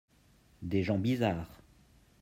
des gens bizarres.